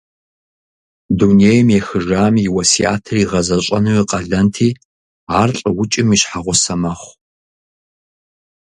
Дунейм ехыжам и уэсятыр игъэзэщӏэну и къалэнти, ар лӏыукӏым и щхьэгъусэ мэхъу.